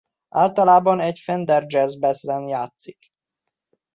Általában egy Fender Jazz Bass-en játszik.